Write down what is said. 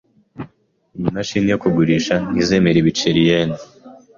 Iyi mashini yo kugurisha ntizemera ibiceri yen.